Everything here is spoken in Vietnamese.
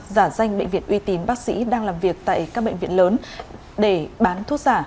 giả danh bệnh viện uy tín bác sĩ đang làm việc tại các bệnh viện lớn để bán thuốc giả